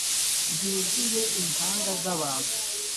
rwuzuye impanga z' abantu